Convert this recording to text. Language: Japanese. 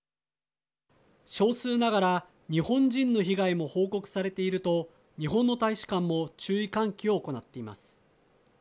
少数ながら日本人の被害も報告されていると日本の大使館も注意喚起を行っています。